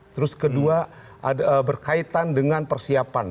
terus kedua berkaitan dengan persiapan